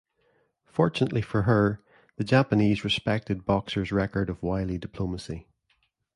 Fortunately for her, the Japanese respected Boxer's record of wily diplomacy.